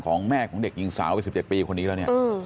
ของแม่ของเด็กหญิงสาว๑๗ปีคนนี้แล้ว